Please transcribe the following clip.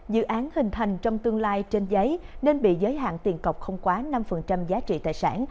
dự án hình thành trong tương lai trên giấy nên bị giới hạn tiền cọc không quá năm giá trị tài sản